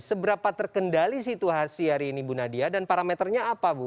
seberapa terkendali situasi hari ini bu nadia dan parameternya apa bu